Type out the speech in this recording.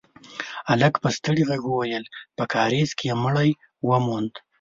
هلک په ستړي غږ وويل: په کارېز کې يې مړی وموند.